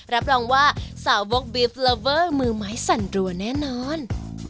รับรองว่าสาวบกบิฟต์เลอเวอร์มือไม้สั่นรัวแน่นอน